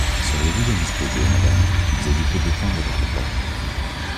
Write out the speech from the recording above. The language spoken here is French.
Seriez-vous indisposée, madame? vous aviez fait défendre votre porte.